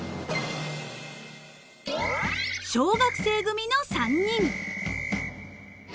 ［小学生組の３人］